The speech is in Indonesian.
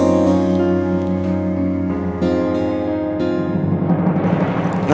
terima kasih gue